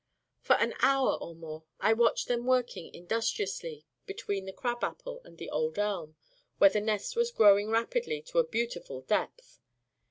For an hour or more I watched them working industriously between the crab apple and the old elm, where the nest was growing rapidly to a beautiful depth.